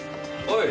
はい！